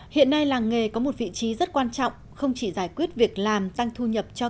hiện nay làng nghề có một vị trí rất quan trọng không chỉ giải quyết việc làm tăng thu nhập cho